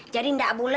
jadi nggak boleh